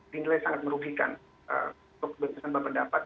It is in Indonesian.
dinilai sangat merugikan untuk kebenaran pendapat